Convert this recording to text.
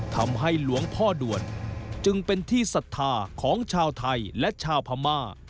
ทำให้หลวงพ่อด่วนจึงเป็นที่ศรัทธาของชาวไทยและชาวพม่า